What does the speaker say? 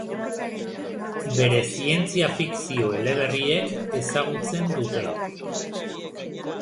Bere zientzia-fikzio eleberriek ezagutzen dute.